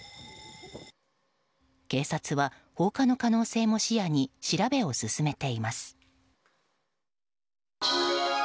警察は放火の可能性も視野に調べを進めています。